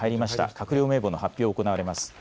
閣僚名簿の発表が行われます。